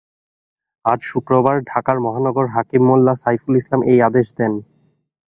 আজ শুক্রবার ঢাকার মহানগর হাকিম মোল্লা সাইফুল ইসলাম এই আদেশ দেন।